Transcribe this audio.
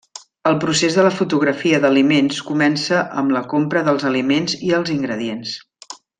El procés de la fotografia d'aliments comença amb la compra dels aliments i els ingredients.